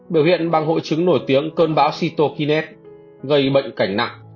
biểu hiện bằng hội chứng nổi tiếng cơn báo cytokinase gây bệnh cảnh nặng